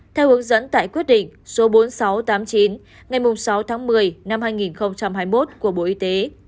theo hướng dẫn tại quyết định số bốn nghìn sáu trăm tám mươi chín ngày sáu tháng một mươi năm hai nghìn hai mươi một của bộ y tế